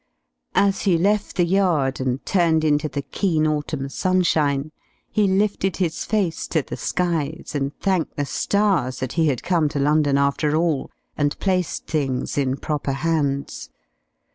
As he left the Yard and turned into the keen autumn sunshine, he lifted his face to the skies and thanked the stars that he had come to London after all and placed things in proper hands.